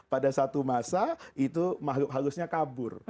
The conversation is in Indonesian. pada satu masa itu makhluk halusnya kabur